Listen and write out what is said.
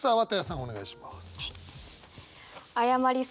お願いします。